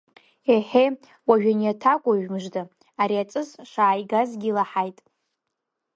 Еҳе, уажәы ани аҭакәажә мыжда ари аҵыс шааигазгьы лаҳаит.